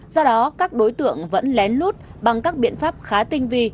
do đó các đối tượng vẫn lén lút bằng các biện pháp khá tinh vi